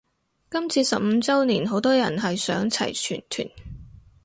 今次十五周年好多人係想齊全團